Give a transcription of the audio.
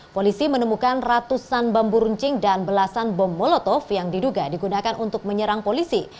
polisi menemukan ratusan bambu runcing dan belasan bom molotov yang diduga digunakan untuk menyerang polisi